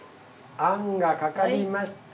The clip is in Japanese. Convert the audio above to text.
あんがかかりました。